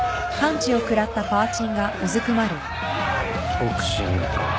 ボクシングか。